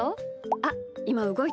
あっいまうごいた。